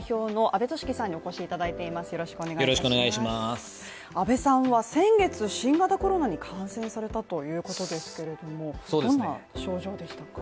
安部さんは先月、新型コロナに感染されたということですけれども、どんな症状でしたか？